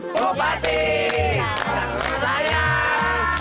bupati selamat datang